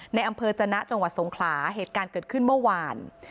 ในอำเภอจนะจังหวัดสงขลาเหตุการณ์เกิดขึ้นเมื่อวาน